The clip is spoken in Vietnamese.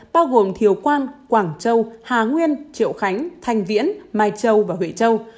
bao gồm thiều quan quảng châu hà nguyên triệu khánh thanh viễn mai châu và huệ châu